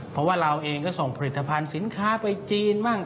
เพราะว่าเราเองก็ส่งผลิตภัณฑ์สินค้าไปจีนบ้าง